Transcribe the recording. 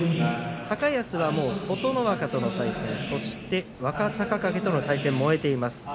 高安は琴ノ若との対戦そして、若隆景との対戦も終えています。